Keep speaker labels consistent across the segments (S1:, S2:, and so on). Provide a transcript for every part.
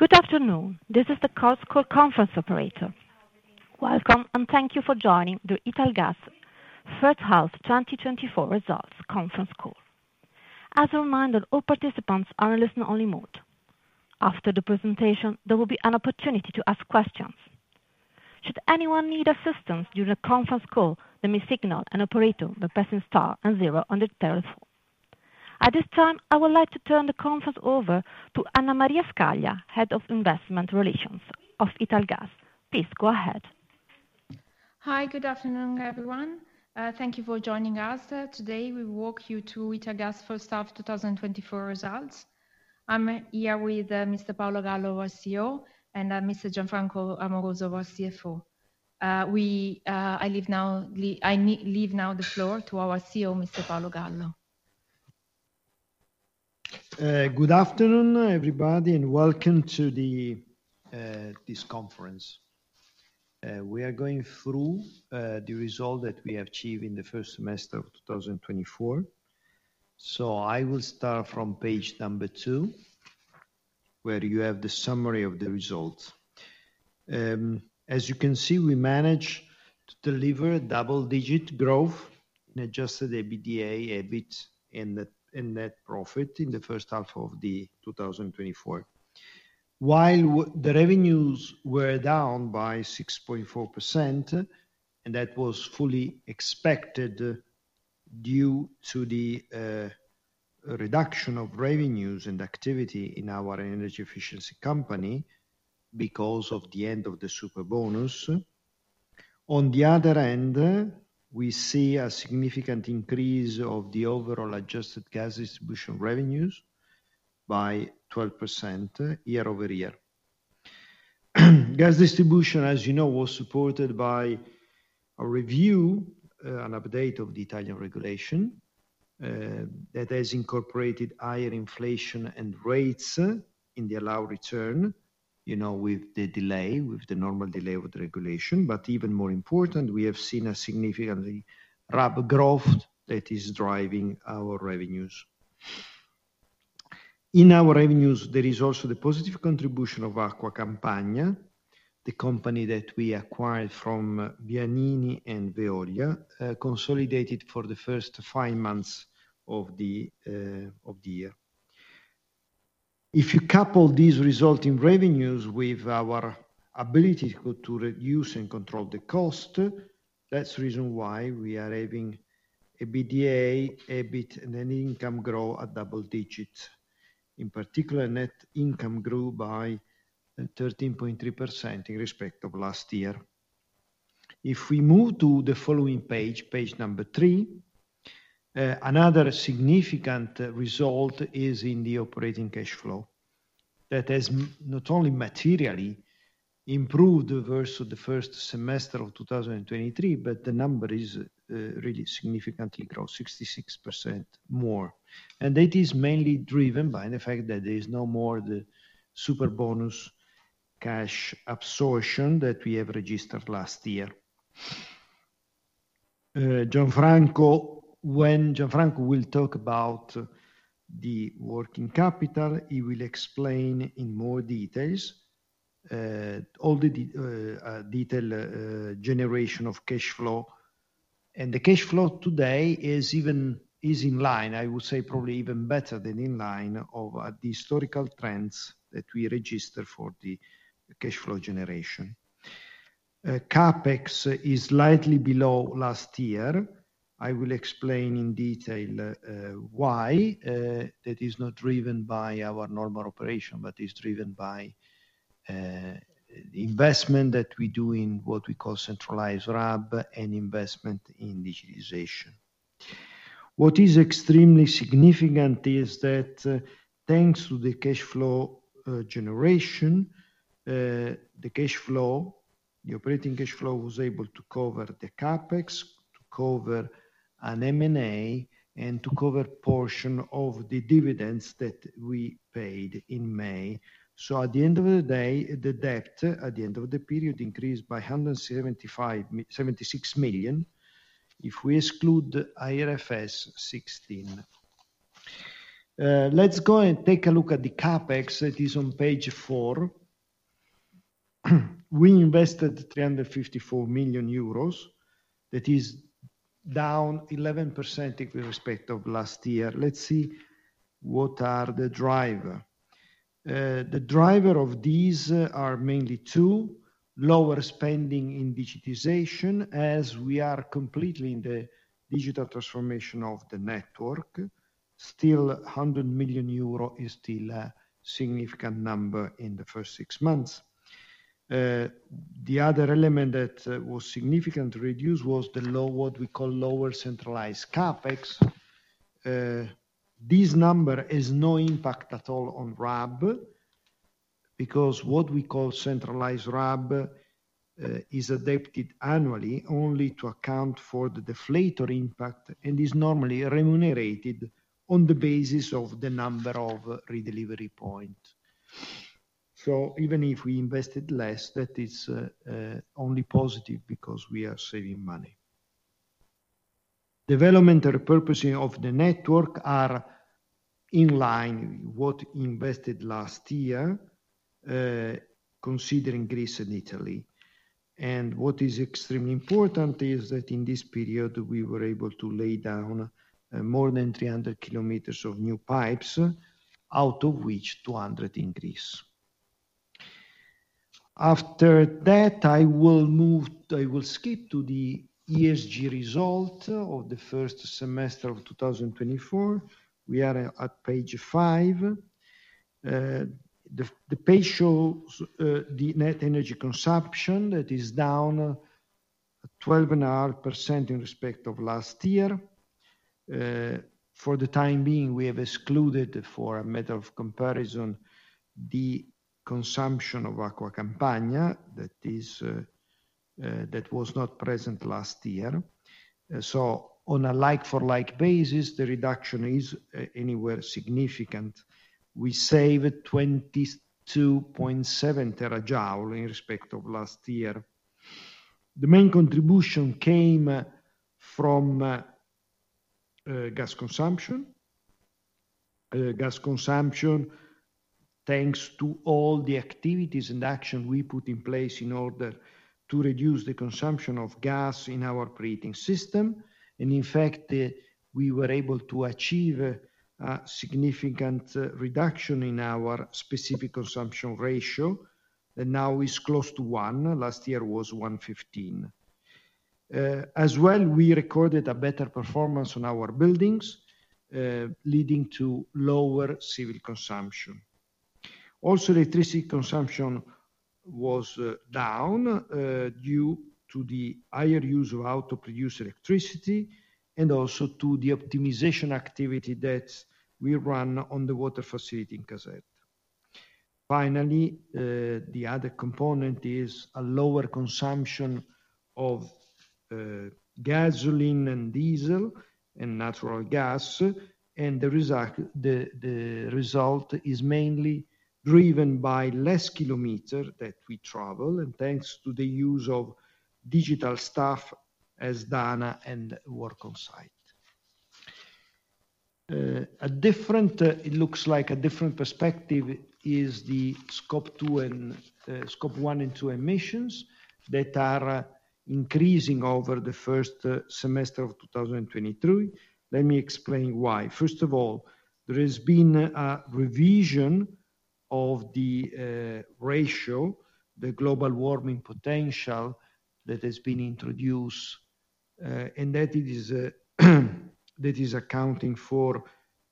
S1: Good afternoon. This is the conference operator. Welcome, and thank you for joining the Italgas first half 2024 results conference call. As a reminder, all participants are in listen-only mode. After the presentation, there will be an opportunity to ask questions. Should anyone need assistance during the conference call, please signal an operator by pressing star and zero on their telephone. At this time, I would like to turn the conference over to Anna Maria Scaglia, Head of Investor Relations of Italgas. Please go ahead.
S2: Hi. Good afternoon, everyone, thank you for joining us. Today, we walk you through Italgas' first half 2024 results. I'm here with Mr. Paolo Gallo, our CEO, and Mr. Gianfranco Amoroso, our CFO. I now leave the floor to our CEO, Mr. Paolo Gallo.
S3: Good afternoon, everybody, and welcome to this conference. We are going through the result that we achieved in the first semester of 2024. So I will start from page number 2, where you have the summary of the results. As you can see, we managed to deliver double-digit growth in adjusted EBITDA, EBIT and net, and net profit in the first half of 2024. While the revenues were down by 6.4%, and that was fully expected due to the reduction of revenues and activity in our energy efficiency company because of the end of the Superbonus. On the other hand, we see a significant increase of the overall adjusted gas distribution revenues by 12% year-over-year. Gas distribution, as you know, was supported by a review, an update of the Italian regulation, that has incorporated higher inflation and rates in the allowed return, you know, with the delay, with the normal delay with regulation. But even more important, we have seen a significantly rapid growth that is driving our revenues. In our revenues, there is also the positive contribution of Acqua Campania, the company that we acquired from Vianini and Veolia, consolidated for the first 5 months of the year. If you couple these resulting revenues with our ability to reduce and control the cost, that's the reason why we are having EBITDA, EBIT and then income grow at double digits. In particular, net income grew by 13.3% in respect of last year. If we move to the following page, page number 3, another significant result is in the operating cash flow. That has not only materially improved versus the first semester of 2023, but the number is really significantly grown, 66% more. That is mainly driven by the fact that there is no more the Superbonus cash absorption that we have registered last year. Gianfranco, when Gianfranco will talk about the working capital, he will explain in more details all the detail generation of cash flow. The cash flow today is even, is in line, I would say probably even better than in line, of the historical trends that we register for the cash flow generation. CapEx is slightly below last year. I will explain in detail, why, that is not driven by our normal operation, but is driven by, the investment that we do in what we call centralized RAB and investment in digitalization. What is extremely significant is that, thanks to the cash flow, generation, the cash flow, the operating cash flow was able to cover the CapEx, to cover an M&A, and to cover portion of the dividends that we paid in May. So at the end of the day, the debt at the end of the period increased by 175...176 million, if we exclude IFRS 16. Let's go and take a look at the CapEx. That is on page 4. We invested 354 million euros. That is down 11% in respect of last year. Let's see, what are the driver? The drivers of these are mainly two: lower spending in digitization, as we are completely in the digital transformation of the network. Still, 100 million euro is still a significant number in the first six months. The other element that was significantly reduced was what we call lower centralized CapEx. This number has no impact at all on RAB, because what we call centralized RAB is adapted annually only to account for the deflator impact, and is normally remunerated on the basis of the number of redelivery points. So even if we invested less, that is only positive because we are saving money. Development and repurposing of the network are in line with what was invested last year, considering Greece and Italy. What is extremely important is that in this period, we were able to lay down more than 300 kilometers of new pipes, out of which 200 in Greece. After that, I will move. I will skip to the ESG result of the first semester of 2024. We are at page 5. The page shows the net energy consumption that is down 12.5% in respect of last year. For the time being, we have excluded, for a method of comparison, the consumption of Acqua Campania. That is, that was not present last year. So on a like-for-like basis, the reduction is a significant. We saved 22.7 terajoules in respect of last year. The main contribution came from gas consumption. Gas consumption, thanks to all the activities and action we put in place in order to reduce the consumption of gas in our operating system. And in fact, we were able to achieve a significant reduction in our specific consumption ratio, and now is close to 1. Last year was 115. As well, we recorded a better performance on our buildings, leading to lower civil consumption. Also, electricity consumption was down due to the higher use of autoproduced electricity and also to the optimization activity that we run on the water facility in Caserta. Finally, the other component is a lower consumption of gasoline and diesel and natural gas, and the result is mainly driven by less kilometer that we travel, and thanks to the use of digital stuff as D&A and WorkOnSite. It looks like a different perspective is the Scope 2 and Scope 1 and 2 emissions that are increasing over the first semester of 2023. Let me explain why. First of all, there has been a revision of the ratio, the global warming potential that has been introduced, and that it is, that is accounting for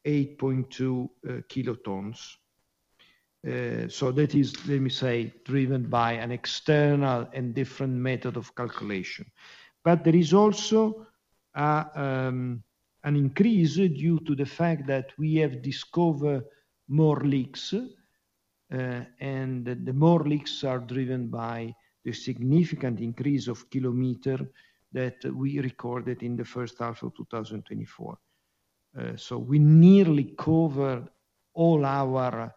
S3: 8.2 kilotons. So that is, let me say, driven by an external and different method of calculation. But there is also an increase due to the fact that we have discovered more leaks, and the more leaks are driven by the significant increase of kilometer that we recorded in the first half of 2024. So we nearly covered all our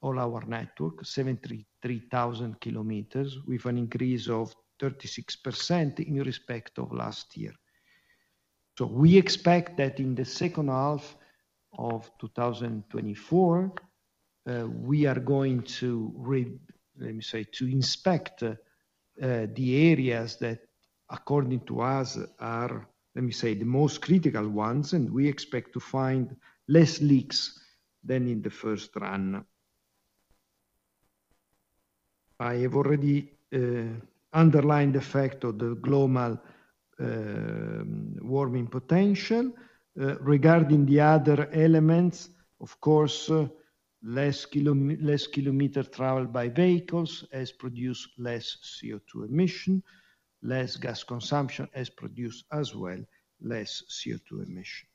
S3: all our network, 73,000 km, with an increase of 36% in respect of last year. So we expect that in the second half of 2024, we are going to Let me say, to inspect the areas that, according to us, are, let me say, the most critical ones, and we expect to find less leaks than in the first run. I have already underlined the effect of the global warming potential. Regarding the other elements, of course, less kilometer traveled by vehicles has produced less CO2 emission, less gas consumption has produced as well, less CO2 emission.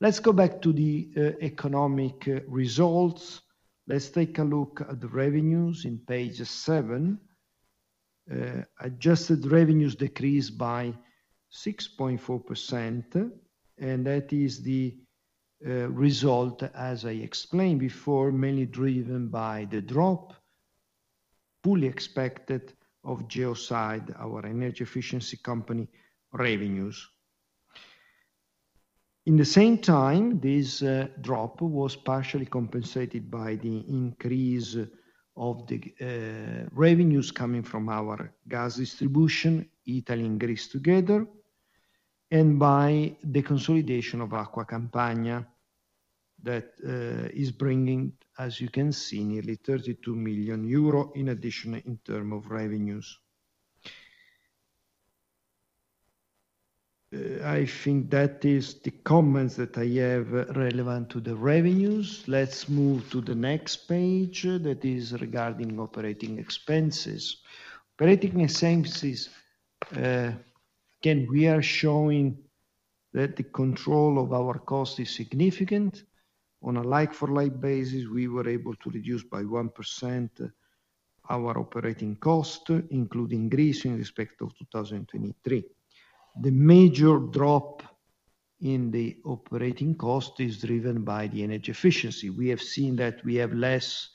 S3: Let's go back to the economic results. Let's take a look at the revenues in page 7. Adjusted revenues decreased by 6.4%, and that is the result, as I explained before, mainly driven by the drop, fully expected, of Geoside, our energy efficiency company, revenues. In the same time, this drop was partially compensated by the increase of the revenues coming from our gas distribution, Italy and Greece together, and by the consolidation of Acqua Campania, that is bringing, as you can see, nearly 32 million euro in addition in terms of revenues. I think that is the comments that I have relevant to the revenues. Let's move to the next page, that is regarding operating expenses. Operating expenses, again, we are showing that the control of our cost is significant. On a like-for-like basis, we were able to reduce by 1% our operating cost, including Greece, in respect of 2023. The major drop in the operating cost is driven by the energy efficiency. We have seen that we have less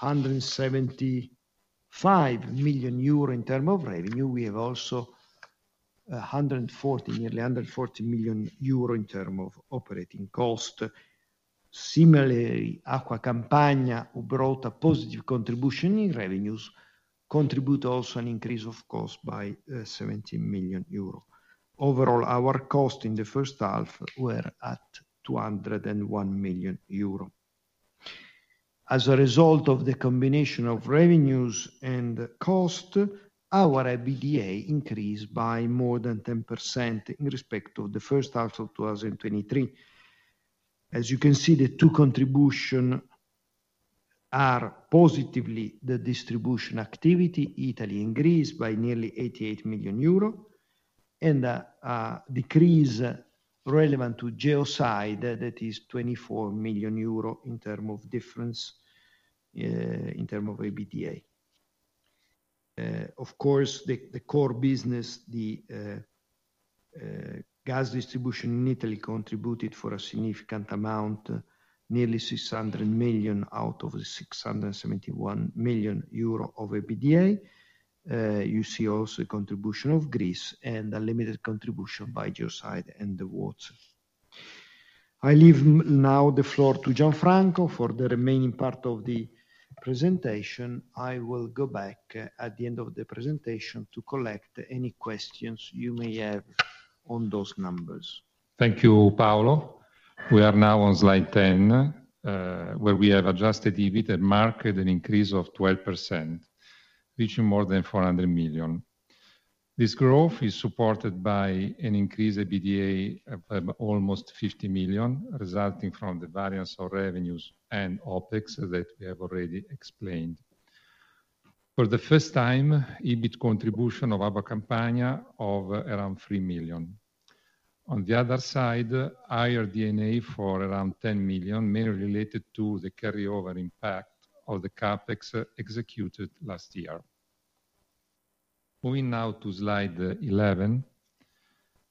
S3: 175 million euro in terms of revenue. We have also, hundred and forty, nearly 140 million euro in terms of operating cost. Similarly, Acqua Campania, who brought a positive contribution in revenues, contribute also an increase of cost by, 17 million euro. Overall, our cost in the first half were at 201 million euro. As a result of the combination of revenues and cost, our EBITDA increased by more than 10% in respect to the first half of 2023. As you can see, the two contributions are positively the distribution activity, Italy increased by nearly 88 million euro, and a decrease relevant to Geoside, that is 24 million euro in term of difference, in term of EBITDA. Of course, the core business, the gas distribution in Italy, contributed for a significant amount, nearly 600 million out of the 671 million euro of EBITDA. You see also a contribution of Greece and a limited contribution by Geoside and the water. I leave now the floor to Gianfranco for the remaining part of the presentation. I will go back at the end of the presentation to collect any questions you may have on those numbers.
S4: Thank you, Paolo. We are now on slide 10, where we have adjusted EBIT and marked an increase of 12%, reaching more than 400 million. This growth is supported by an increased EBITDA of almost 50 million, resulting from the variance of revenues and OpEx that we have already explained. For the first time, EBIT contribution of Acqua Campania of around 3 million. On the other side, higher DANA for around 10 million, mainly related to the carryover impact of the CapEx executed last year. Moving now to slide 11.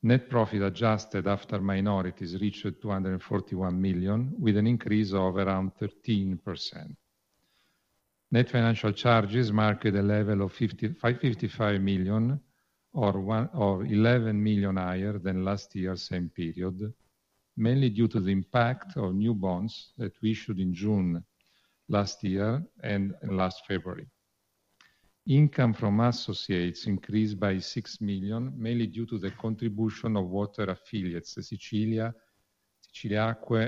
S4: Net profit adjusted after minorities reached 241 million, with an increase of around 13%. Net financial charges marked a level of 55 million, or 10 or 11 million higher than last year's same period, mainly due to the impact of new bonds that we issued in June last year and last February. Income from associates increased by 6 million, mainly due to the contribution of water affiliates, the Siciliacque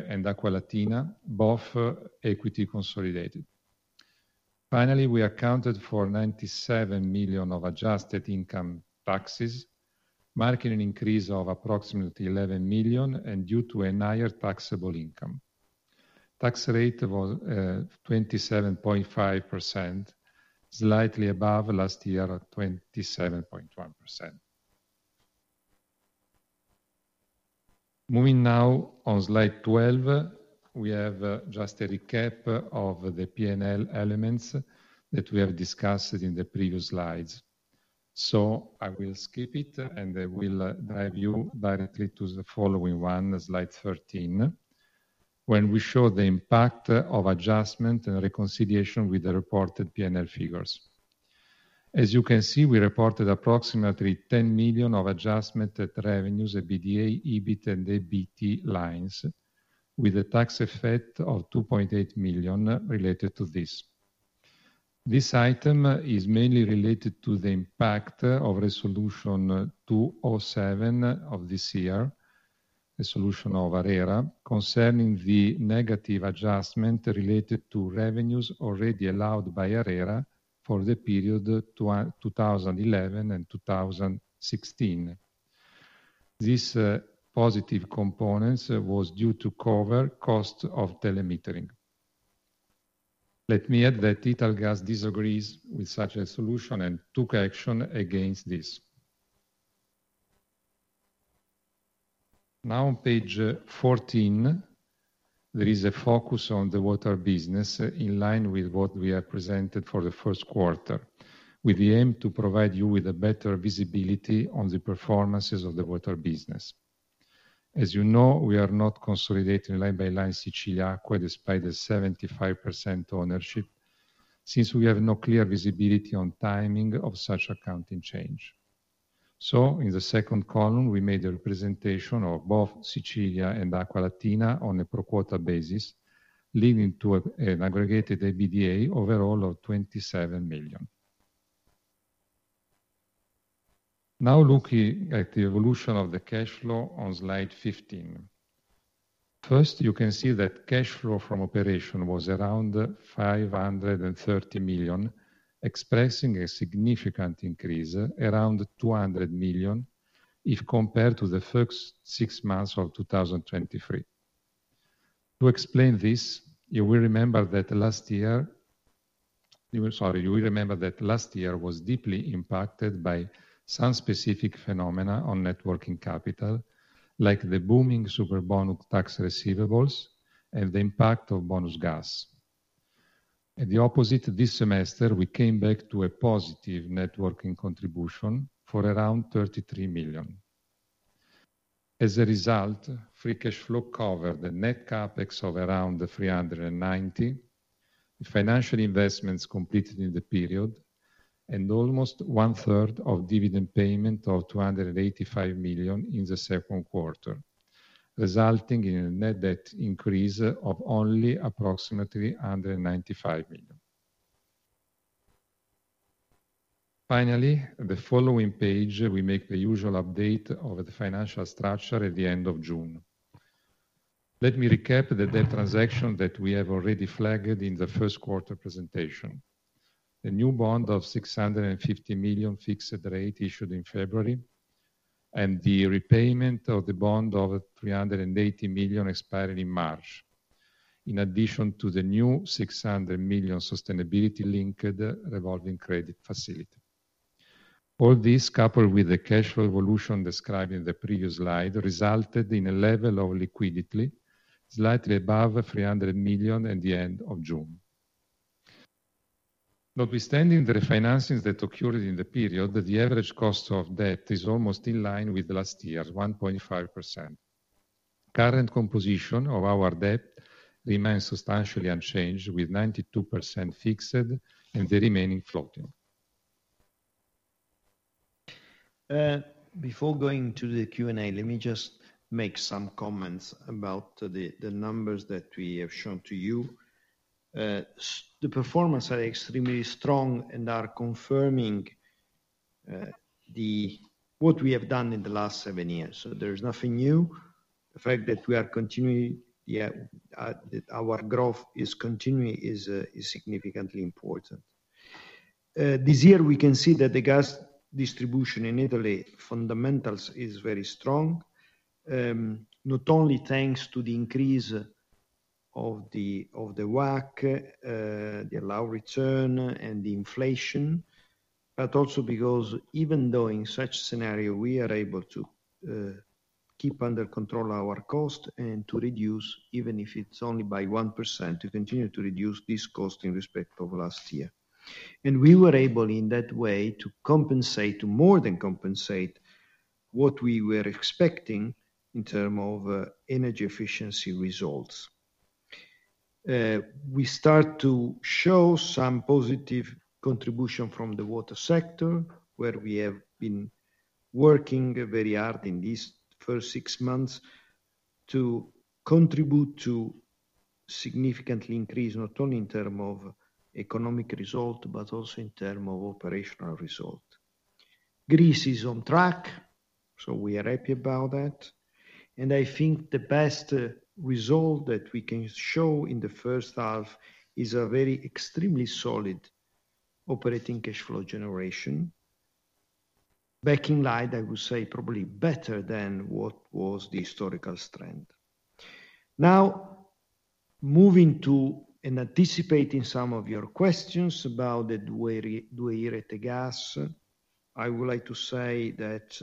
S4: and Acqualatina, both equity consolidated. Finally, we accounted for 97 million of adjusted income taxes, marking an increase of approximately 11 million, and due to a higher taxable income. Tax rate was 27.5%, slightly above last year at 27.1%. Moving now on slide 12, we have just a recap of the PNL elements that we have discussed in the previous slides. So I will skip it, and I will drive you directly to the following one, slide 13, when we show the impact of adjustment and reconciliation with the reported PNL figures. As you can see, we reported approximately 10 million of adjustment at revenues, EBITDA, EBIT and EBT lines, with a tax effect of 2.8 million related to this. This item is mainly related to the impact of Resolution 207 of this year, the resolution of ARERA, concerning the negative adjustment related to revenues already allowed by ARERA for the period two thousand and eleven and two thousand and sixteen. This positive components was due to cover cost of telemetering. Let me add that Italgas disagrees with such a solution and took action against this. Now, on page 14, there is a focus on the water business in line with what we have presented for the first quarter, with the aim to provide you with a better visibility on the performances of the water business. As you know, we are not consolidating line by line Siciliacque, despite the 75% ownership, since we have no clear visibility on timing of such accounting change. So in the second column, we made a representation of both Sicilia and Acqualatina on a pro quota basis, leading to a, an aggregated EBITDA overall of 27 million. Now, looking at the evolution of the cash flow on slide 15. First, you can see that cash flow from operation was around 530 million, expressing a significant increase, around 200 million, if compared to the first six months of 2023. To explain this, you will remember that last year... Sorry, you will remember that last year was deeply impacted by some specific phenomena on net working capital, like the booming Superbonus tax receivables and the impact of Bonus Gas. ...
S3: At the opposite, this semester, we came back to a positive networking contribution for around 33 million. As a result, free cash flow covered the net CapEx of around 390 million, financial investments completed in the period, and almost one-third of dividend payment of 285 million in the second quarter, resulting in a net debt increase of only approximately under EUR 95 million. Finally, the following page, we make the usual update of the financial structure at the end of June. Let me recap the debt transaction that we have already flagged in the first quarter presentation. The new bond of 650 million fixed rate issued in February, and the repayment of the bond of 380 million expired in March, in addition to the new 600 million sustainability-linked revolving credit facility. All this, coupled with the cash flow evolution described in the previous slide, resulted in a level of liquidity slightly above 300 million at the end of June. Notwithstanding the refinancings that occurred in the period, the average cost of debt is almost in line with last year's 1.5%. Current composition of our debt remains substantially unchanged, with 92% fixed and the remaining floating. Before going to the Q&A, let me just make some comments about the numbers that we have shown to you. The performance are extremely strong and are confirming what we have done in the last seven years, so there's nothing new. The fact that we are continuing, yeah, that our growth is continuing is significantly important. This year we can see that the gas distribution in Italy fundamentals is very strong, not only thanks to the increase of the, of the WACC, the low return and the inflation, but also because even though in such scenario, we are able to keep under control our cost and to reduce, even if it's only by 1%, to continue to reduce this cost in respect of last year. We were able, in that way, to compensate, to more than compensate what we were expecting in term of energy efficiency results. We start to show some positive contribution from the water sector, where we have been working very hard in these first six months to contribute to significantly increase, not only in term of economic result, but also in term of operational result. Greece is on track, so we are happy about that. I think the best result that we can show in the first half is a very extremely solid operating cash flow generation. Back in line, I would say probably better than what was the historical strength. Now, moving to and anticipating some of your questions about the 2i Rete Gas, I would like to say that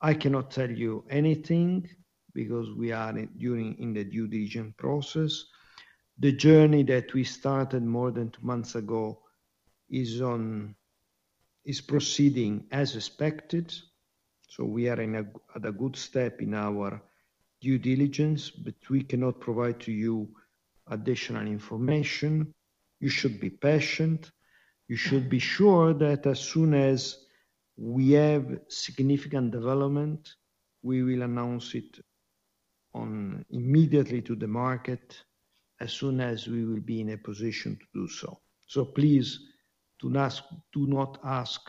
S3: I cannot tell you anything because we are in the due diligence process. The journey that we started more than two months ago is proceeding as expected, so we are at a good step in our due diligence, but we cannot provide to you additional information. You should be patient. You should be sure that as soon as we have significant development, we will announce it immediately to the market, as soon as we will be in a position to do so. So please, do not ask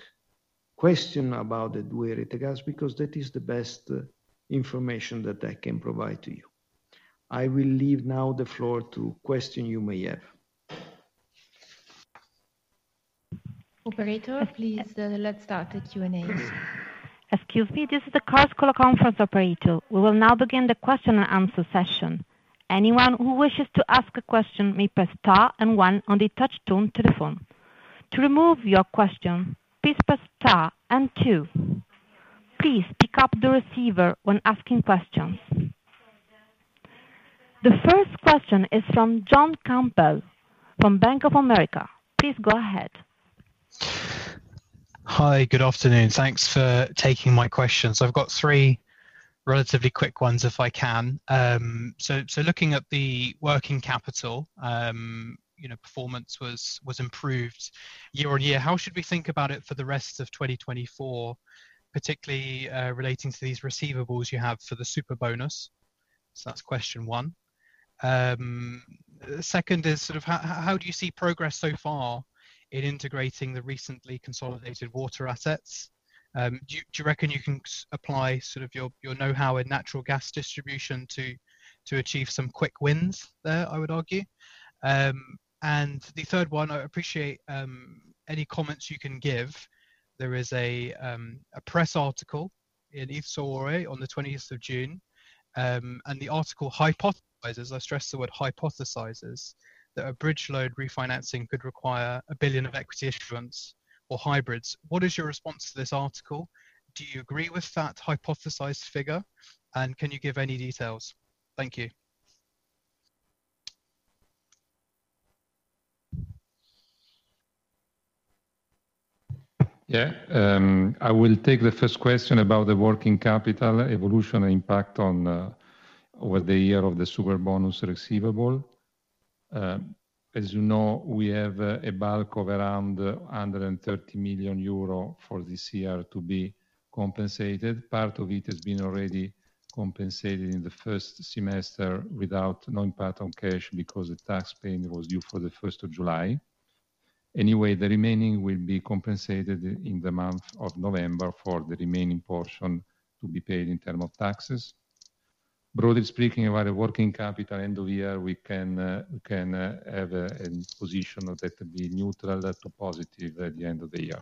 S3: questions about the 2i Rete Gas, because that is the best information that I can provide to you. I will leave now the floor to questions you may have.
S2: Operator, please, let's start the Q&A.
S1: Excuse me, this is the Chorus Call conference operator. We will now begin the question and answer session. Anyone who wishes to ask a question may press star and one on the touch tone telephone. To remove your question, please press star and two. Please pick up the receiver when asking questions. The first question is from John Campbell from Bank of America. Please go ahead.
S5: Hi, good afternoon. Thanks for taking my questions. I've got three relatively quick ones, if I can. So looking at the working capital, you know, performance was improved year-over-year. How should we think about it for the rest of 2024, particularly relating to these receivables you have for the Superbonus? So that's question one. The second is sort of how do you see progress so far in integrating the recently consolidated water assets? Do you reckon you can apply sort of your know-how in natural gas distribution to achieve some quick wins there, I would argue? And the third one, I appreciate any comments you can give. There is a press article in IFR on the twentieth of June, and the article hypothesizes, I stress the word hypothesizes, that a bridge loan refinancing could require 1 billion of equity issuance or hybrids. What is your response to this article? Do you agree with that hypothesized figure, and can you give any details? Thank you....
S4: Yeah, I will take the first question about the working capital evolution and impact on over the year of the Superbonus receivable. As you know, we have a bulk of around 130 million euro for this year to be compensated. Part of it has been already compensated in the first semester without no impact on cash, because the tax payment was due for the first of July. Anyway, the remaining will be compensated in the month of November for the remaining portion to be paid in term of taxes. Broadly speaking, about the working capital end of the year, we can have a position that will be neutral to positive at the end of the year.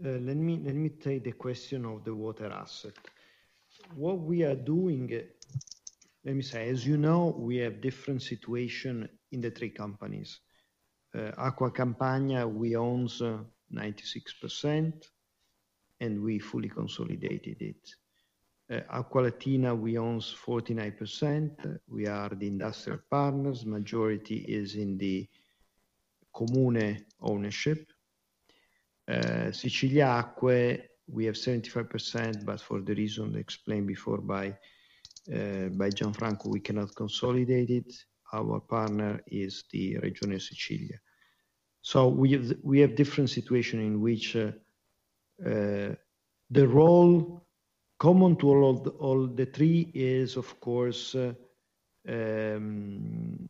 S3: Let me take the question of the water asset. What we are doing... Let me say, as you know, we have different situation in the three companies. Acqua Campania, we owns 96%, and we fully consolidated it. Acqualatina, we owns 49%. We are the industrial partners. Majority is in the comune ownership. Siciliacque, we have 75%, but for the reason explained before by Gianfranco, we cannot consolidate it. Our partner is the Regione Sicilia. So we have, we have different situation in which, the role common to all of the, all the three is, of course, let me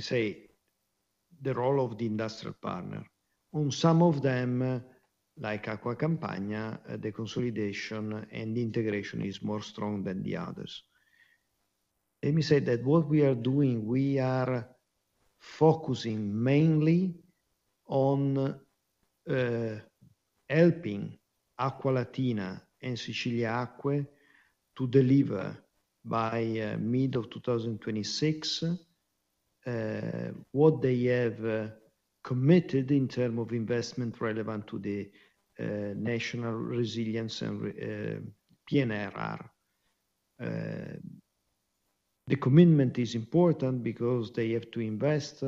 S3: say, the role of the industrial partner. On some of them, like Acqua Campania, the consolidation and integration is more strong than the others. Let me say that what we are doing, we are focusing mainly on helping Acqualatina and Siciliacque to deliver by mid of 2026 what they have committed in term of investment relevant to the national resilience and recovery PNRR. The commitment is important because they have to invest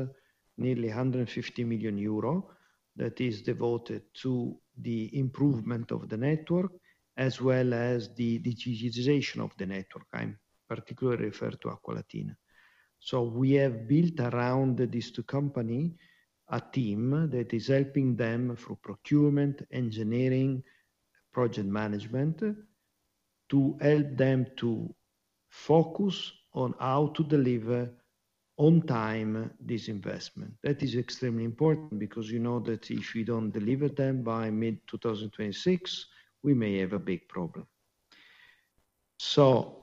S3: nearly 150 million euro that is devoted to the improvement of the network, as well as the digitization of the network. I particularly refer to Acqualatina. So we have built around these two company a team that is helping them through procurement, engineering, project management, to help them to focus on how to deliver on time this investment. That is extremely important because you know that if we don't deliver them by mid 2026, we may have a big problem. So,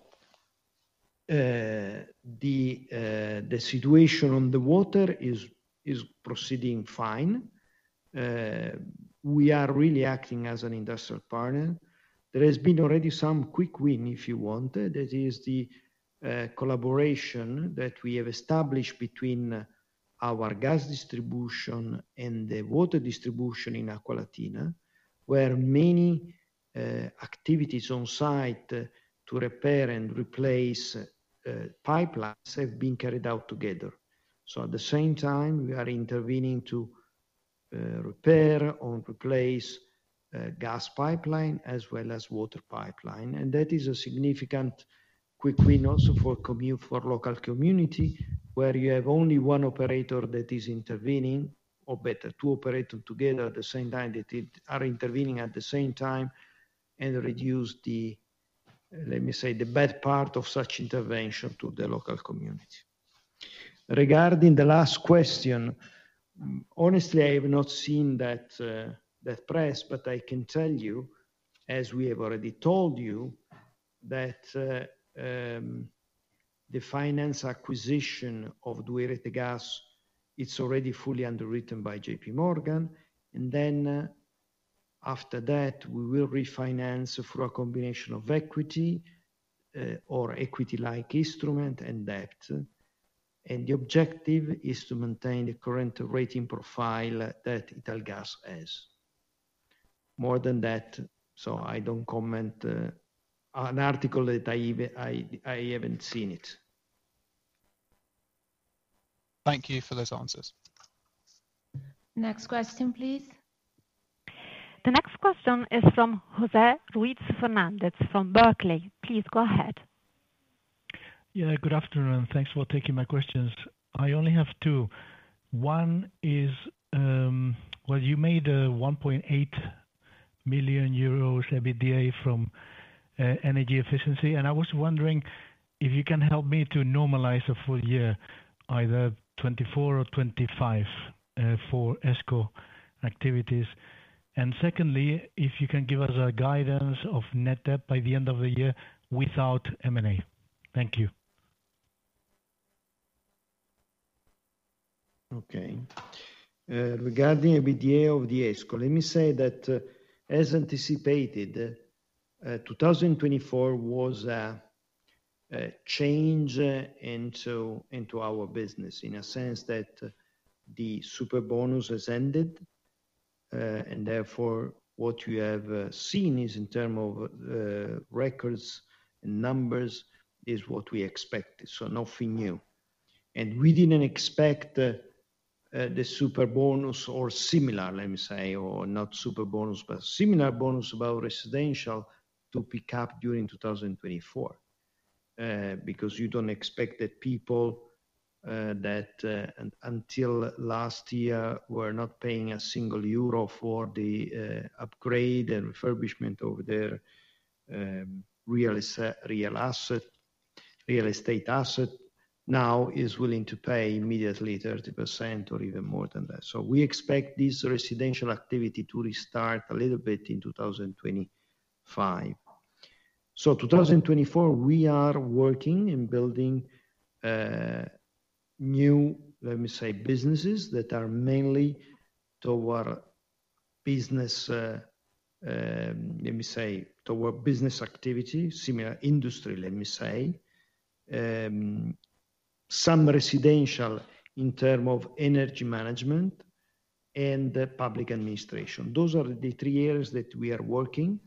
S3: the situation on the water is proceeding fine. We are really acting as an industrial partner. There has been already some quick win, if you want. That is the collaboration that we have established between our gas distribution and the water distribution in Acqualatina, where many activities on site to repair and replace pipelines have been carried out together. So at the same time, we are intervening to repair or replace gas pipeline as well as water pipeline. And that is a significant quick win also for local community, where you have only one operator that is intervening, or better, two operator together at the same time, that it are intervening at the same time and reduce the, let me say, the bad part of such intervention to the local community. Regarding the last question, honestly, I have not seen that press, but I can tell you, as we have already told you, that the financing acquisition of 2i Rete Gas is already fully underwritten by J.P. Morgan. And then after that, we will refinance through a combination of equity or equity-like instrument and debt. And the objective is to maintain the current rating profile that Italgas has. More than that, so I don't comment on an article that I haven't seen.
S5: Thank you for those answers.
S2: Next question, please.
S1: The next question is from Jose Ruiz from Barclays. Please go ahead.
S6: Yeah, good afternoon. Thanks for taking my questions. I only have two. One is, well, you made 1.8 million euros EBITDA from energy efficiency, and I was wondering if you can help me to normalize the full year, either 2024 or 2025, for ESCO activities. And secondly, if you can give us a guidance of net debt by the end of the year without M&A. Thank you.
S3: Okay. Regarding EBITDA of the ESCO, let me say that, as anticipated, 2024 was a change into our business, in a sense that the Superbonus has ended. And therefore, what you have seen is in terms of records and numbers is what we expected, so nothing new. And we didn't expect the Superbonus or similar, let me say, or not Superbonus, but similar bonus about residential to pick up during 2024. Because you don't expect that people that until last year were not paying a single euro for the upgrade and refurbishment of their real estate asset now is willing to pay immediately 30% or even more than that. We expect this residential activity to restart a little bit in 2025. 2024, we are working in building, new, let me say, businesses that are mainly toward business, let me say, toward business activity, similar industry, let me say. Some residential in terms of energy management and the public administration. Those are the three areas that we are working,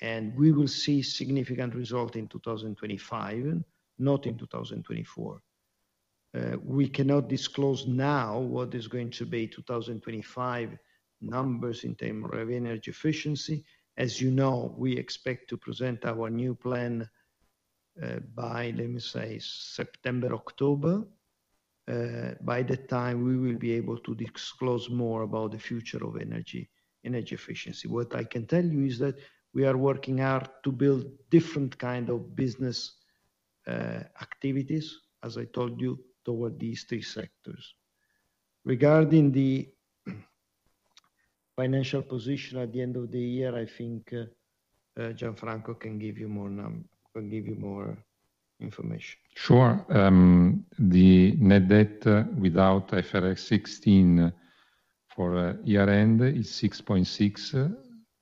S3: and we will see significant result in 2025, not in 2024. We cannot disclose now what is going to be 2025 numbers in terms of energy efficiency. As you know, we expect to present our new plan, by, let me say, September, October. By that time, we will be able to disclose more about the future of energy, energy efficiency. What I can tell you is that we are working hard to build different kind of business, activities, as I told you, toward these three sectors. Regarding the financial position at the end of the year, I think, Gianfranco can give you more information. Sure. The net debt without IFRS 16 for year-end is 6.6.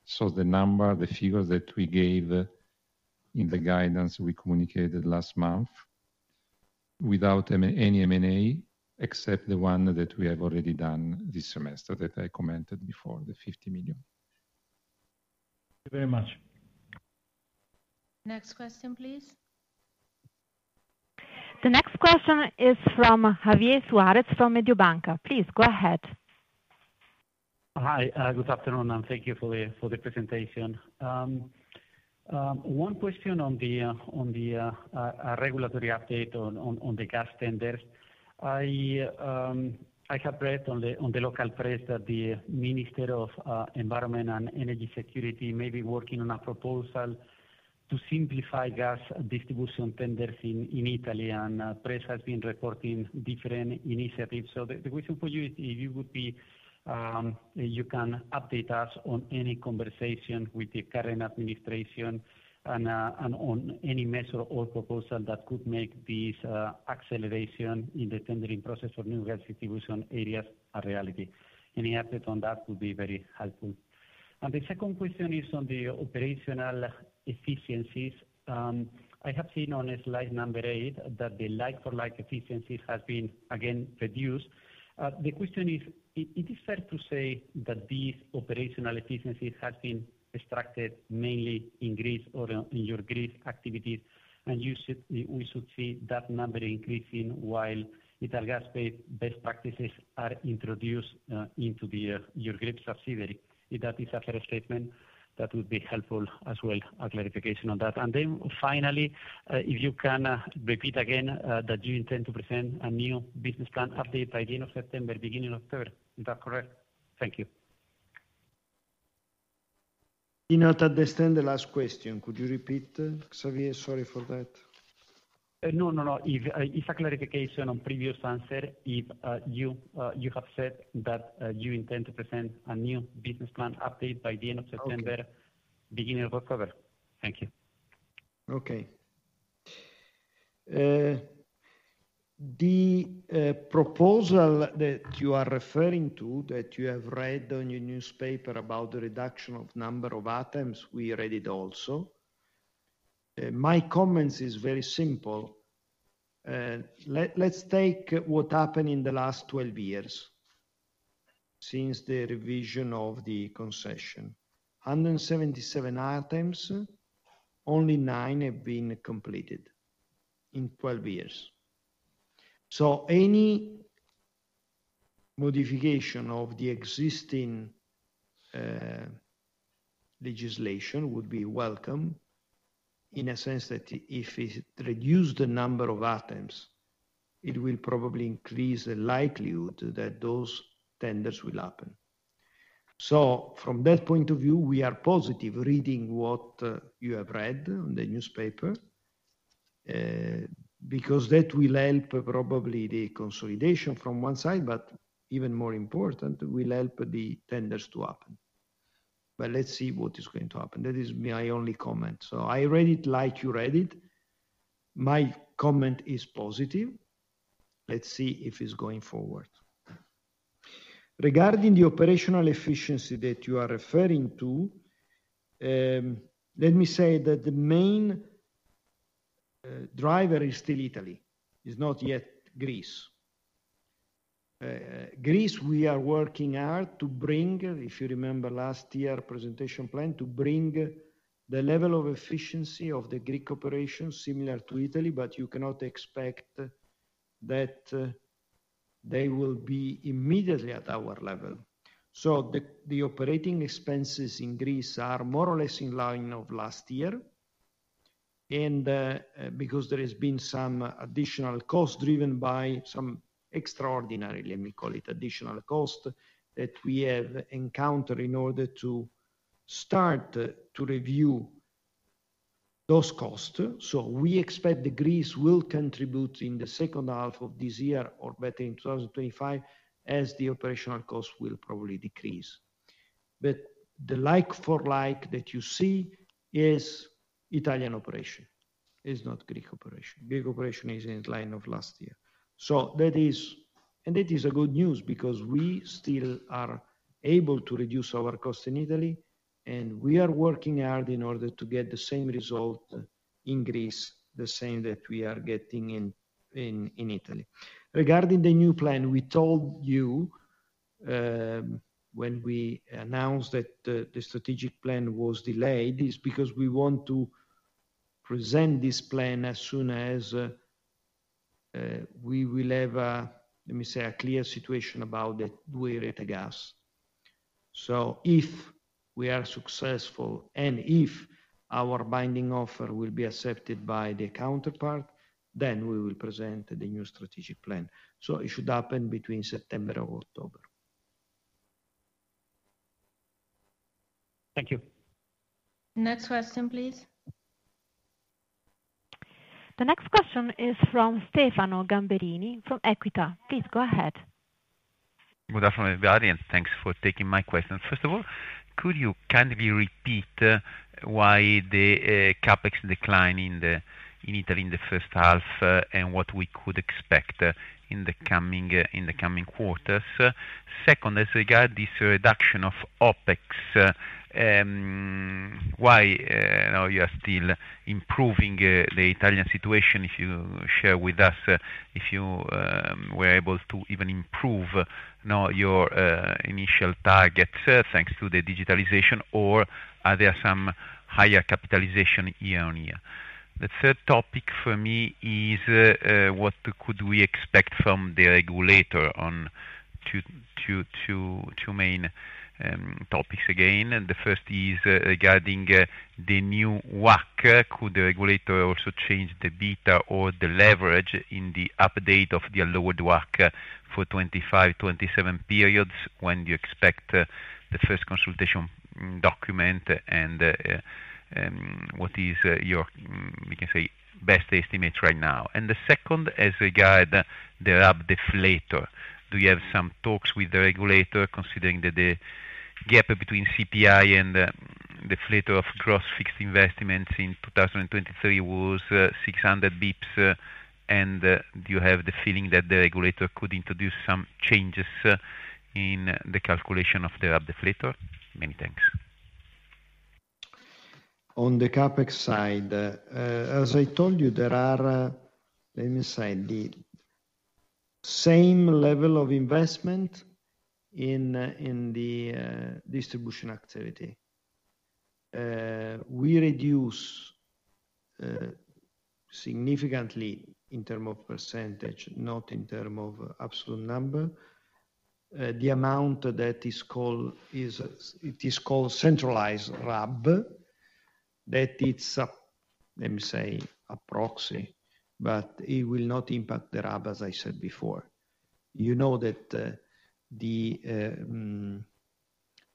S3: So the number, the figures that we gave in the guidance we communicated last month, without any M&A, except the one that we have already done this semester, that I commented before, the 50 million.
S6: Thank you very much.
S2: Next question, please.
S1: The next question is from Javier Suarez from Mediobanca. Please, go ahead.
S7: Hi, good afternoon, and thank you for the presentation. One question on the regulatory update on the gas tenders. I have read on the local press that the Minister of Environment and Energy Security may be working on a proposal to simplify gas distribution tenders in Italy, and press has been reporting different initiatives. So the question for you, if you would be... You can update us on any conversation with the current administration and on any measure or proposal that could make this acceleration in the tendering process for new gas distribution areas a reality. Any update on that would be very helpful. And the second question is on the operational efficiencies. I have seen on slide number eight that the like-for-like efficiencies has been again reduced. The question is, it is fair to say that these operational efficiencies has been extracted mainly in Greece or in your Greece activities, and we should see that number increasing while Italgas' best practices are introduced into the your group subsidiary? If that is a fair statement, that would be helpful as well, a clarification on that. And then finally, if you can repeat again that you intend to present a new business plan update by the end of September, beginning of October. Is that correct? Thank you.
S3: I not understand the last question. Could you repeat, Javier? Sorry for that.
S7: No, no, no. It's a clarification on previous answer. If you, you have said that you intend to present a new business plan update by the end of September-
S3: Okay.
S7: Beginning of October. Thank you.
S3: Okay. The proposal that you are referring to, that you have read on your newspaper about the reduction of number of items, we read it also. My comments is very simple. Let's take what happened in the last 12 years since the revision of the concession. 177 items, only nine have been completed in 12 years. So any modification of the existing legislation would be welcome in a sense that if it reduce the number of items, it will probably increase the likelihood that those tenders will happen. So from that point of view, we are positive reading what you have read on the newspaper because that will help probably the consolidation from one side, but even more important, will help the tenders to happen. But let's see what is going to happen. That is my only comment. So I read it like you read it. My comment is positive. Let's see if it's going forward. Regarding the operational efficiency that you are referring to, let me say that the main driver is still Italy, is not yet Greece. Greece, we are working hard to bring, if you remember last year presentation plan, to bring the level of efficiency of the Greek operations similar to Italy, but you cannot expect that, they will be immediately at our level. So the operating expenses in Greece are more or less in line of last year, and, because there has been some additional costs driven by some extraordinary, let me call it, additional cost, that we have encountered in order to start to review those costs. So we expect that Greece will contribute in the second half of this year or better in 2025, as the operational costs will probably decrease. But the like for like that you see is Italian operation, is not Greek operation. Greek operation is in line with last year. So that is... And that is good news, because we still are able to reduce our costs in Italy, and we are working hard in order to get the same result in Greece, the same that we are getting in Italy. Regarding the new plan, we told you when we announced that the strategic plan was delayed, is because we want to present this plan as soon as we will have, let me say, a clear situation about the 2i Rete Gas. So if we are successful, and if our binding offer will be accepted by the counterpart, then we will present the new strategic plan. So it should happen between September or October.
S7: Thank you.
S2: Next question, please.
S1: The next question is from Stefano Gamberini, from Equita. Please go ahead.
S8: Good afternoon, everybody, and thanks for taking my question. First of all, could you kindly repeat why the CapEx decline in the in Italy in the first half and what we could expect in the coming quarters? Second, as regard this reduction of OpEx, why now you are still improving the Italian situation, if you share with us, if you were able to even improve now your initial target thanks to the digitalization, or are there some higher capitalization year-over-year? The third topic for me is what could we expect from the regulator on two main topics again? And the first is regarding the new WACC. Could the regulator also change the beta or the leverage in the update of the allowed WACC for 25-27 periods, when do you expect the first consultation document, and what is your, we can say, best estimate right now? And the second, as regard the RAB deflator, do you have some talks with the regulator, considering that the gap between CPI and deflator of gross fixed investments in 2023 was 600 basis points, and do you have the feeling that the regulator could introduce some changes in the calculation of the RAB deflator? Many thanks.
S3: On the CapEx side, as I told you, there are, let me say, the same level of investment in the distribution activity. We reduce significantly in term of percentage, not in term of absolute number, the amount that is called centralized RAB, that it's a, let me say, a proxy, but it will not impact the RAB, as I said before. You know that, the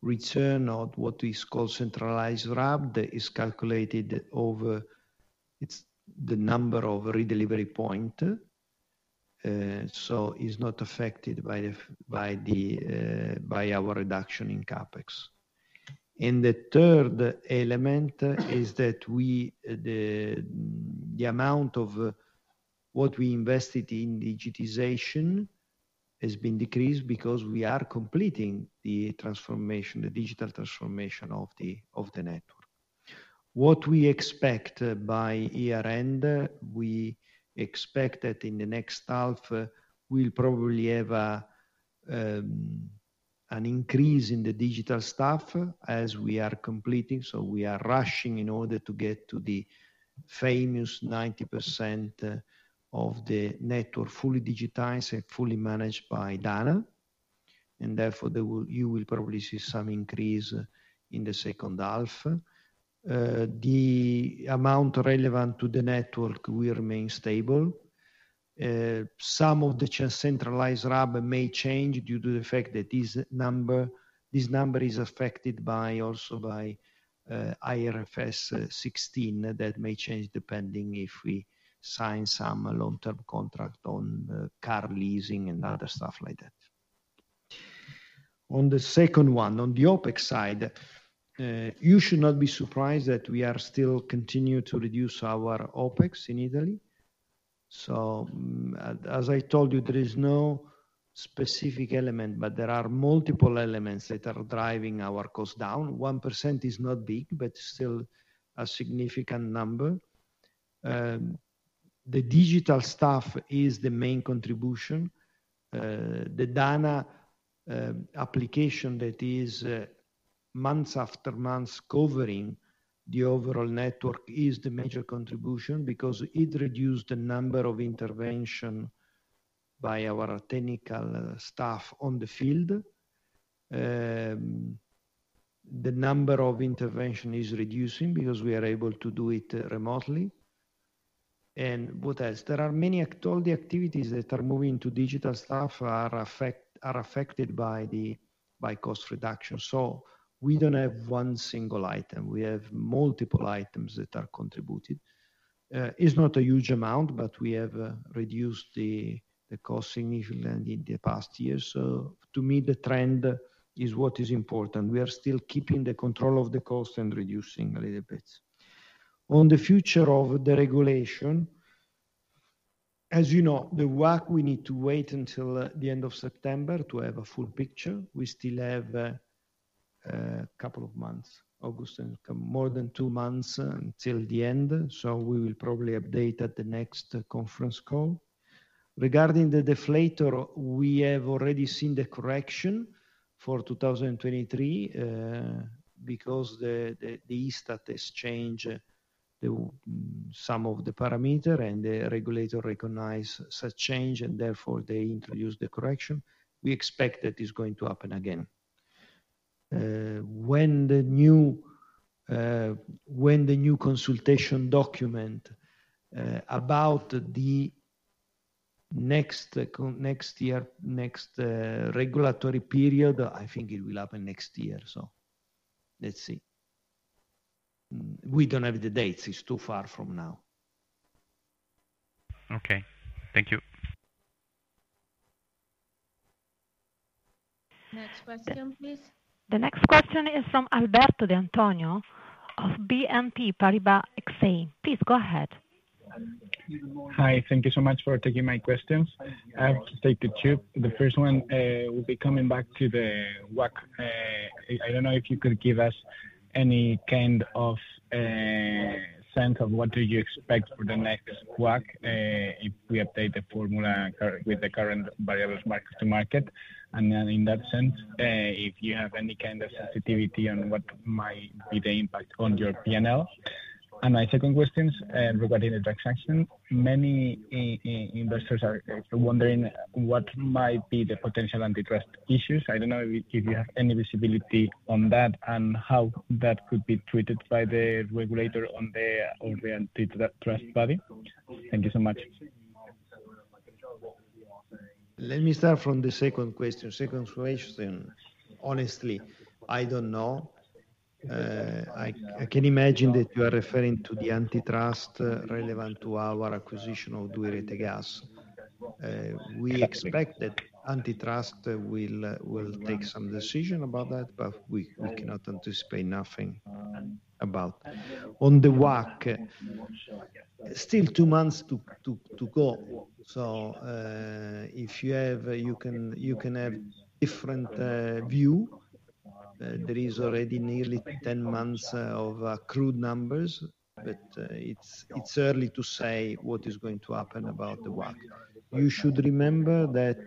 S3: return on what is called centralized RAB, that is calculated over. It's the number of re-delivery point, so it's not affected by the by our reduction in CapEx. And the third element is that we, the amount of what we invested in digitization has been decreased because we are completing the transformation, the digital transformation of the network. What we expect by year end, we expect that in the next half, we'll probably have a an increase in the digital stuff as we are completing, so we are rushing in order to get to the famous 90% of the network, fully digitized and fully managed by data, and therefore, you will probably see some increase in the second half. The amount relevant to the network will remain stable. Some of the just Centralized RAB may change due to the fact that this number, this number is affected by, also by, IFRS 16. That may change, depending if we sign some long-term contract on, car leasing and other stuff like that. On the second one, on the OpEx side, you should not be surprised that we are still continue to reduce our OpEx in Italy. So, as I told you, there is no specific element, but there are multiple elements that are driving our cost down. 1% is not big, but still a significant number. The digital stuff is the main contribution. The data application that is months after months covering the overall network is the major contribution because it reduced the number of intervention by our technical staff on the field. The number of intervention is reducing because we are able to do it remotely. And what else? There are many all the activities that are moving to digital stuff are affected by cost reduction. So we don't have one single item. We have multiple items that are contributed. It's not a huge amount, but we have reduced the cost significantly in the past years. So to me, the trend is what is important. We are still keeping the control of the cost and reducing a little bit. On the future of the regulation, as you know, the WACC, we need to wait until the end of September to have a full picture. We still have a couple of months, August, and more than two months until the end, so we will probably update at the next conference call. Regarding the deflator, we have already seen the correction for 2023 because the Istat index, some of the parameters and the regulator recognize such change, and therefore they introduce the correction. We expect that it's going to happen again. When the new consultation document about the next year, next regulatory period, I think it will happen next year. Let's see. We don't have the dates. It's too far from now.
S8: Okay. Thank you.
S2: Next question, please.
S1: The next question is from Alberto D'Antoni of BNP Paribas Exane. Please go ahead.
S9: Hi, thank you so much for taking my questions. I have to take two. The first one will be coming back to the WACC. I don't know if you could give us any kind of sense of what do you expect for the next WACC, if we update the formula current with the current variables mark to market. And then in that sense, if you have any kind of sensitivity on what might be the impact on your PNL? And my second question regarding the transaction. Many investors are wondering what might be the potential antitrust issues. I don't know if you have any visibility on that, and how that could be treated by the regulator on the antitrust body. Thank you so much.
S3: Let me start from the second question. Second question, honestly, I don't know. I can imagine that you are referring to the antitrust relevant to our acquisition of 2i Rete Gas. We expect that antitrust will take some decision about that, but we cannot anticipate nothing about. On the WACC, still two months to go. So, if you have, you can have different view. There is already nearly 10 months of accrued numbers, but it's early to say what is going to happen about the WACC. You should remember that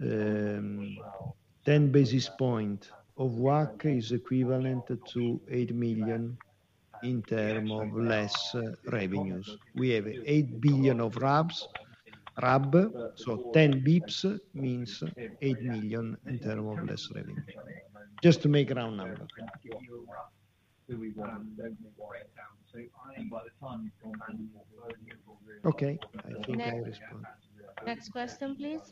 S3: 10 basis points of WACC is equivalent to 8 million in terms of less revenues. We have 8 billion of RAB. So 10 basis points means 8 million in terms of less revenue. Just to make round number.
S9: By the time you-
S3: Okay, I think I respond.
S2: Next question, please.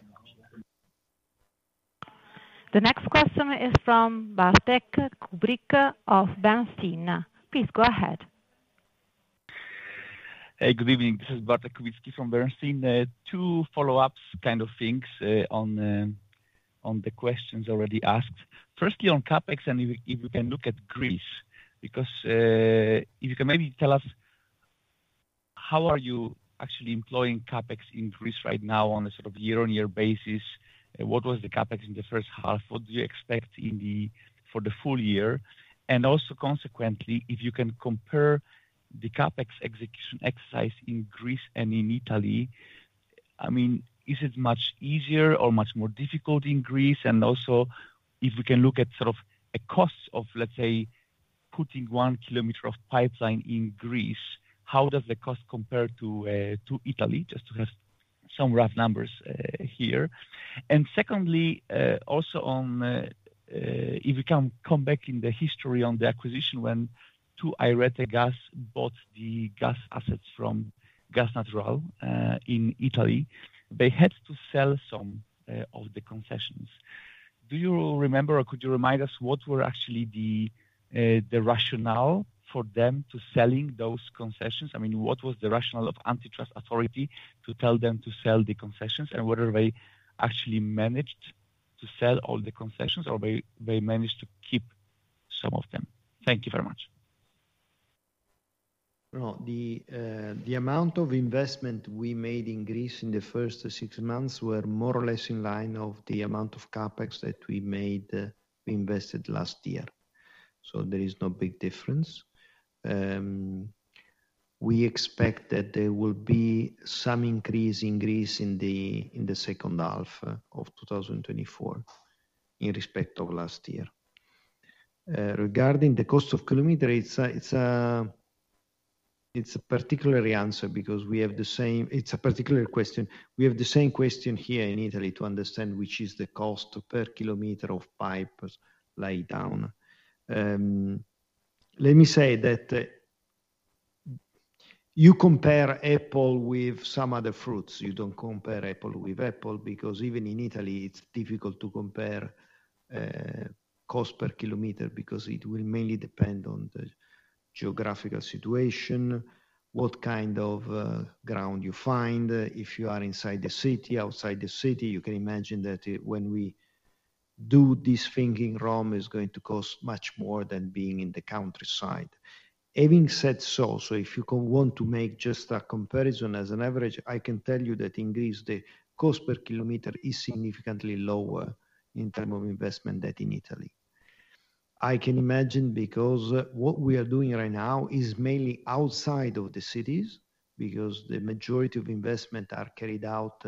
S1: The next question is from Bartek Kubicki of Bernstein. Please go ahead.
S10: Hey, good evening. This is Bartek Kubicki from Bernstein. Two follow-ups kind of things on the questions already asked. Firstly, on CapEx, and if you can look at Greece, because... If you can maybe tell us, how are you actually employing CapEx in Greece right now on a sort of year-on-year basis? What was the CapEx in the first half? What do you expect in the, for the full year? And also, consequently, if you can compare the CapEx execution exercise in Greece and in Italy, I mean, is it much easier or much more difficult in Greece? And also, if we can look at sort of a cost of, let's say, putting one kilometer of pipeline in Greece, how does the cost compare to, to Italy? Just to have some rough numbers here. And secondly, also on, if you can come back in the history on the acquisition, when 2i Rete Gas bought the gas assets from Gas Natural, in Italy, they had to sell some, of the concessions. Do you remember, or could you remind us, what were actually the, the rationale for them to selling those concessions? I mean, what was the rationale of antitrust authority to tell them to sell the concessions, and whether they actually managed to sell all the concessions, or they, they managed to keep-... some of them. Thank you very much.
S3: No, the amount of investment we made in Greece in the first six months were more or less in line of the amount of CapEx that we made, we invested last year. So there is no big difference. We expect that there will be some increase in Greece in the second half of 2024, in respect of last year. Regarding the cost of kilometer, it's a particular answer because we have the same... It's a particular question. We have the same question here in Italy to understand, which is the cost per kilometer of pipe lay down. Let me say that, you compare apple with some other fruits. You don't compare apple with apple, because even in Italy, it's difficult to compare cost per kilometer because it will mainly depend on the geographical situation, what kind of ground you find. If you are inside the city, outside the city, you can imagine that when we do this thing in Rome, is going to cost much more than being in the countryside. Having said so, so if you want to make just a comparison as an average, I can tell you that in Greece, the cost per kilometer is significantly lower in term of investment than in Italy. I can imagine because what we are doing right now is mainly outside of the cities, because the majority of investment are carried out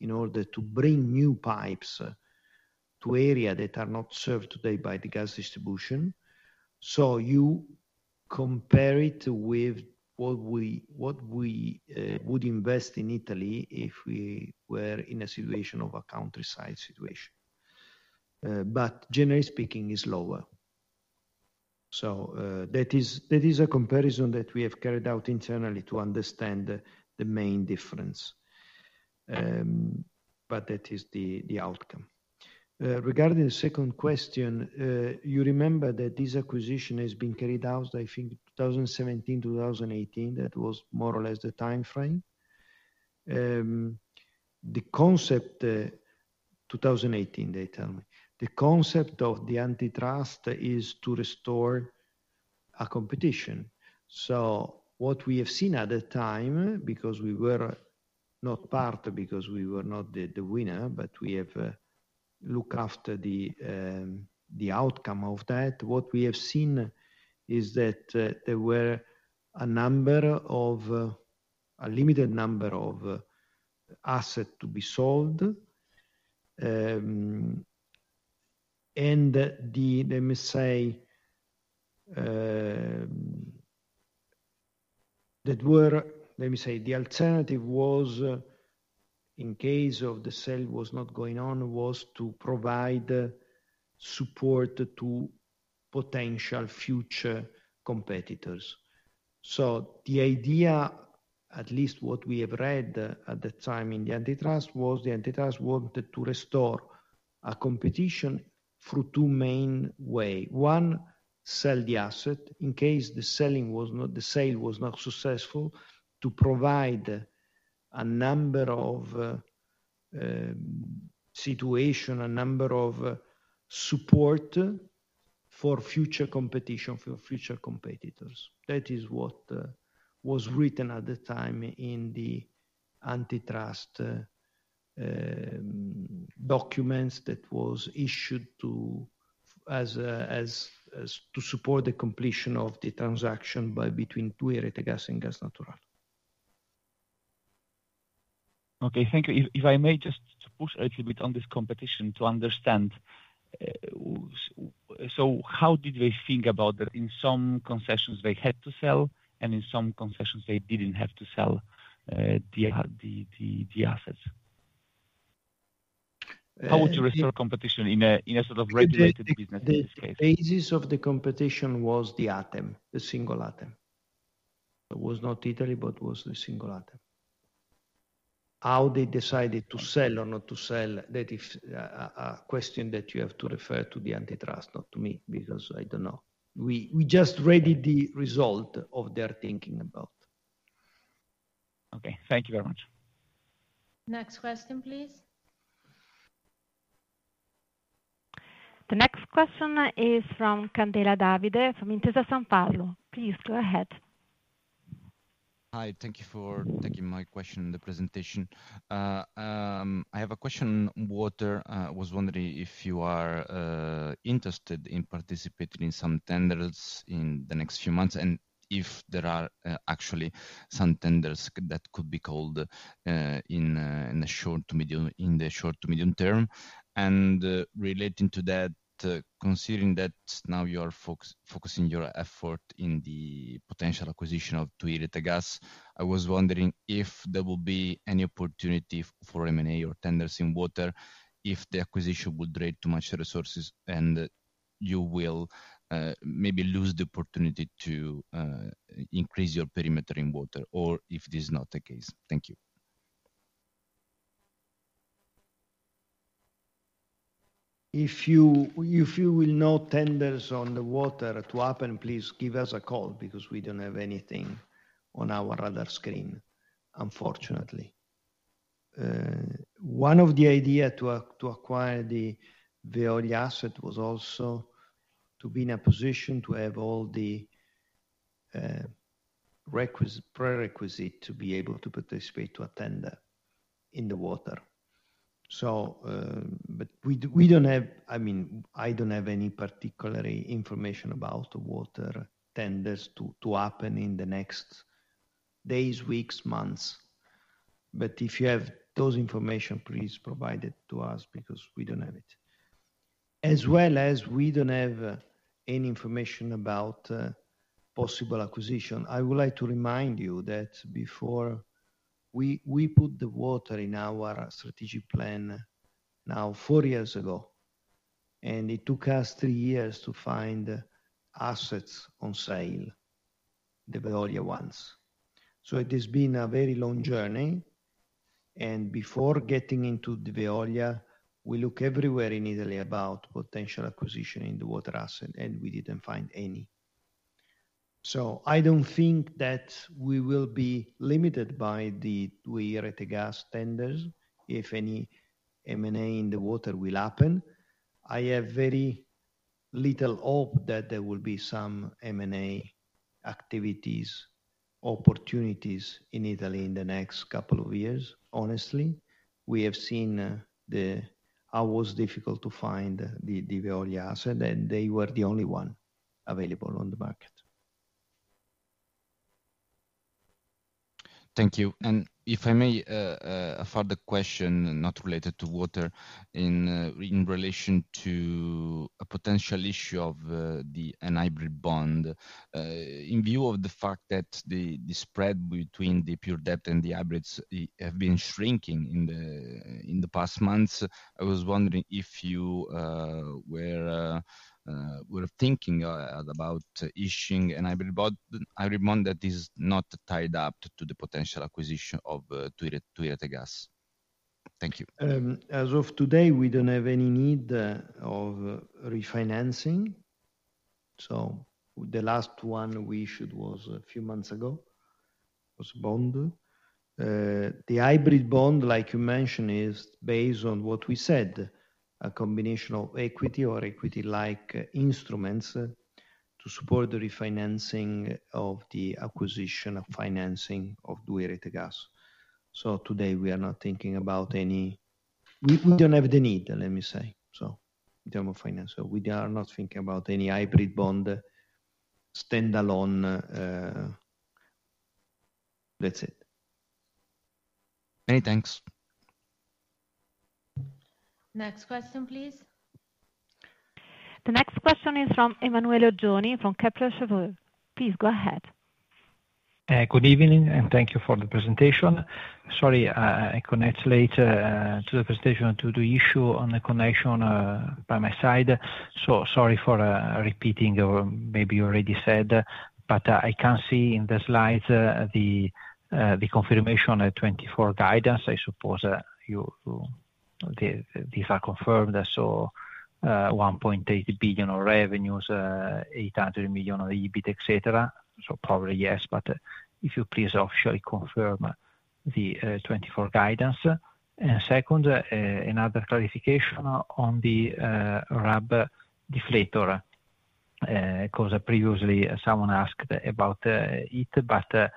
S3: in order to bring new pipes to area that are not served today by the gas distribution. So you compare it with what we would invest in Italy if we were in a situation of a countryside situation. But generally speaking, it's lower. So that is a comparison that we have carried out internally to understand the main difference. But that is the outcome. Regarding the second question, you remember that this acquisition has been carried out, I think, 2017, 2018, that was more or less the time frame. The concept, 2018, they tell me. The concept of the antitrust is to restore a competition. So what we have seen at the time, because we were not the winner, but we have looked after the outcome of that. What we have seen is that there were a number of, a limited number of asset to be sold. Let me say, the alternative was, in case of the sale was not going on, was to provide support to potential future competitors. So the idea, at least what we have read at the time in the antitrust, was the antitrust wanted to restore a competition through two main way. One, sell the asset. In case the selling was not, the sale was not successful, to provide a number of situation, a number of support for future competition, for future competitors. That is what was written at the time in the antitrust documents that was issued to support the completion of the transaction between 2i Rete Gas, Italgas, and Gas Natural Fenosa.
S10: Okay, thank you. If I may just push a little bit on this competition to understand, so how did they think about that in some concessions they had to sell, and in some concessions they didn't have to sell, the assets?
S3: Uh, the-
S10: How would you restore competition in a, in a sort of regulated business like this?
S3: The basis of the competition was the item, the single item. It was not Italy, but was the single item. How they decided to sell or not to sell, that is a question that you have to refer to the antitrust, not to me, because I don't know. We just read the result of their thinking about.
S10: Okay. Thank you very much.
S2: Next question, please.
S1: The next question is from Davide Candela, from Intesa Sanpaolo. Please go ahead.
S11: Hi, thank you for taking my question and the presentation. I have a question. Water, I was wondering if you are interested in participating in some tenders in the next few months, and if there are actually some tenders that could be called in the short to medium term. And relating to that, considering that now you are focusing your effort in the potential acquisition of 2i Rete Gas, I was wondering if there will be any opportunity for M&A or tenders in water, if the acquisition would drain too much resources, and you will maybe lose the opportunity to increase your perimeter in water, or if this is not the case. Thank you.
S3: If you will know tenders on the water to happen, please give us a call because we don't have anything on our radar screen, unfortunately. One of the ideas to acquire the Veolia asset was also to be in a position to have all the prerequisites to be able to participate in a tender in the water. But we don't have... I mean, I don't have any particular information about the water tenders to happen in the next days, weeks, months. But if you have those information, please provide it to us because we don't have it. As well as we don't have any information about possible acquisition. I would like to remind you that before we put the water in our strategic plan four years ago, and it took us three years to find assets on sale, the Veolia ones. So it has been a very long journey, and before getting into the Veolia, we look everywhere in Italy about potential acquisition in the water asset, and we didn't find any. So I don't think that we will be limited by the 2i Rete Gas tenders, if any M&A in the water will happen. I have very little hope that there will be some M&A activities, opportunities in Italy in the next couple of years, honestly. We have seen the... How was difficult to find the Veolia asset, and they were the only one available on the market.
S11: Thank you. And if I may, a further question, not related to water, in relation to a potential issue of a hybrid bond. In view of the fact that the spread between the pure debt and the hybrids have been shrinking in the past months, I was wondering if you were thinking about issuing a hybrid bond. I remind that this is not tied up to the potential acquisition of 2i Rete Gas. Thank you.
S3: As of today, we don't have any need of refinancing. So the last one we issued was a few months ago, was bond. The hybrid bond, like you mentioned, is based on what we said, a combination of equity or equity-like instruments to support the refinancing of the acquisition of financing of 2i Rete Gas. So today, we are not thinking about any. We don't have the need, let me say, so in term of finance. So we are not thinking about any hybrid bond standalone. That's it.
S11: Many thanks.
S2: Next question, please.
S1: The next question is from Emanuele Oggioni from Kepler Cheuvreux. Please go ahead.
S12: Good evening, and thank you for the presentation. Sorry, I connect late to the presentation, due to issue on the connection by my side. So sorry for repeating or maybe you already said, but I can see in the slides the confirmation at 2024 guidance. I suppose you... These are confirmed, so one point eight billion of revenues, eight hundred million of EBIT, etc. So probably, yes, but if you please officially confirm the 2024 guidance. And second, another clarification on the RAB deflator, because previously someone asked about it, but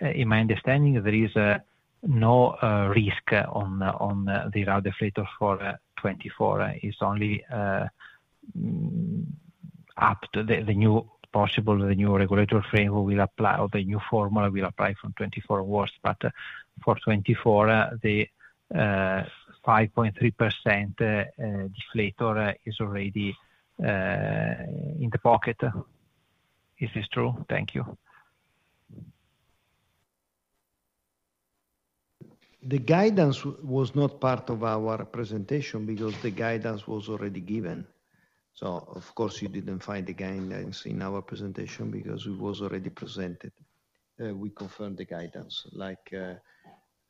S12: in my understanding, there is no risk on the RAB deflator for 2024. It's only after the new possible, the new regulatory framework will apply, or the new formula will apply from 2025. But for 2024, the 5.3% deflator is already in the pocket. Is this true? Thank you.
S3: The guidance was not part of our presentation because the guidance was already given. So of course, you didn't find the guidance in our presentation because it was already presented. We confirmed the guidance, like,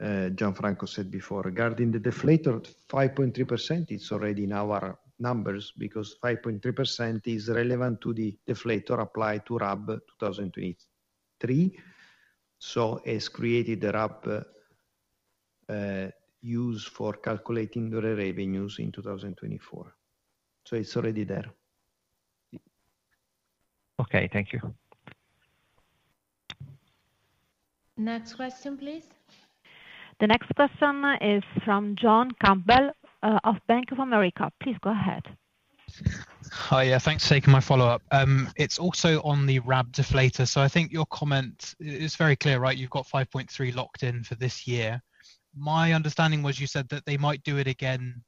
S3: Gianfranco said before. Regarding the deflator, 5.3%, it's already in our numbers, because 5.3% is relevant to the deflator applied to RAB 2023. So it's created the RAB used for calculating the revenues in 2024. So it's already there.
S12: Okay, thank you.
S2: Next question, please.
S1: The next question is from John Campbell of Bank of America. Please go ahead.
S5: Hi, yeah, thanks for taking my follow-up. It's also on the RAB deflator. So I think your comment is very clear, right? You've got 5.3 locked in for this year. My understanding was you said that they might do it again,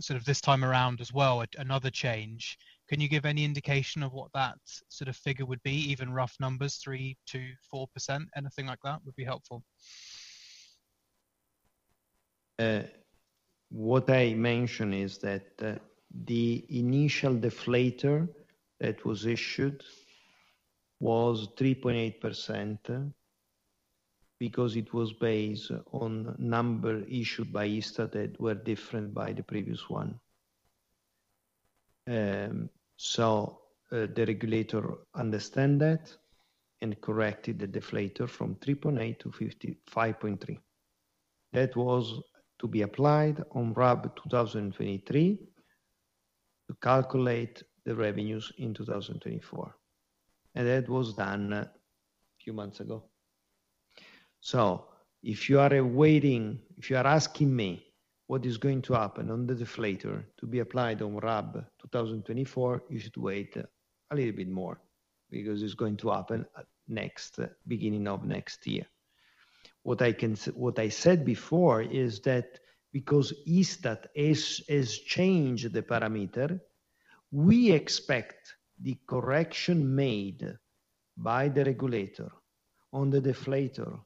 S5: sort of this time around as well, another change. Can you give any indication of what that sort of figure would be, even rough numbers, 3%-4%? Anything like that would be helpful.
S3: What I mentioned is that the initial deflator that was issued was 3.8%, because it was based on number issued by Istat that were different by the previous one. So, the regulator understand that and corrected the deflator from 3.8 to 5.3. That was to be applied on RAB 2023, to calculate the revenues in 2024, and that was done a few months ago. If you are asking me what is going to happen on the deflator to be applied on RAB 2024, you should wait a little bit more, because it's going to happen next, beginning of next year. What I said before is that because Istat has changed the parameter, we expect the correction made by the regulator on the deflator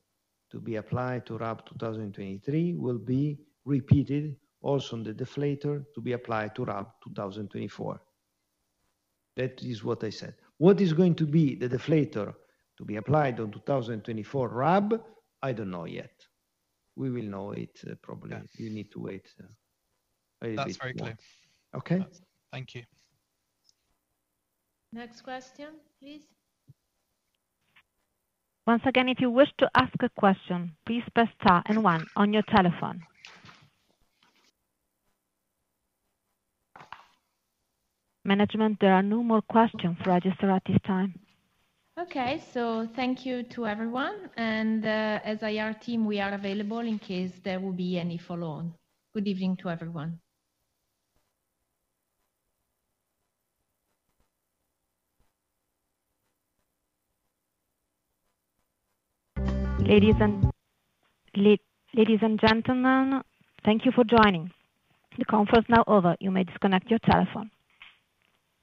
S3: to be applied to RAB 2023 will be repeated also on the deflator to be applied to RAB 2024. That is what I said. What is going to be the deflator to be applied on 2024 RAB? I don't know yet. We will know it, probably-
S5: Yes.
S3: You need to wait a little bit more.
S5: That's very clear.
S3: Okay?
S5: Thank you.
S2: Next question, please.
S1: Once again, if you wish to ask a question, please press star and one on your telephone. Management, there are no more questions registered at this time.
S2: Okay, so thank you to everyone, and as IR team, we are available in case there will be any follow on. Good evening to everyone.
S1: Ladies and gentlemen, thank you for joining. The conference is now over. You may disconnect your telephone.